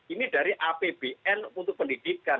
ini dari apbn untuk pendidikan